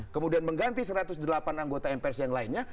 kemudian mengganti satu ratus delapan anggota mprs yang lainnya